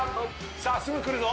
さあすぐ来るぞ。